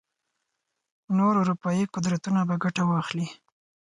نور اروپايي قدرتونه به ګټه واخلي.